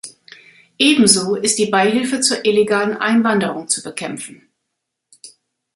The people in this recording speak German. Ebenso ist die Beihilfe zur illegalen Einwanderung zu bekämpfen.